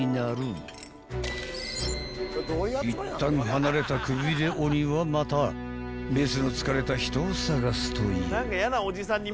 ［いったん離れたくびれ鬼はまた別の疲れた人を探すという］みたいなくびれ鬼。